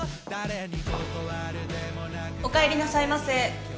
おかえりなさいませ。